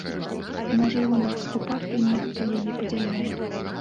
Можа і ў нас у партыі нехта яе падзяляе.